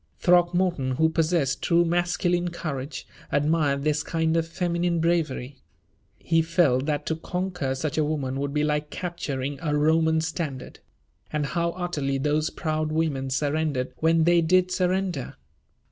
Throckmorton, who possessed true masculine courage, admired this kind of feminine bravery. He felt that to conquer such a woman would be like capturing a Roman standard. And how utterly those proud women surrendered when they did surrender!